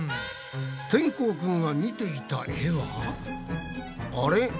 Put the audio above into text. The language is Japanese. てんこうくんが見ていた絵はあれ！？